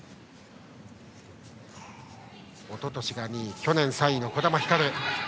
おととしが２位去年３位の児玉ひかる。